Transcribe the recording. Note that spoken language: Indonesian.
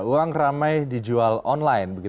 uang ramai dijual online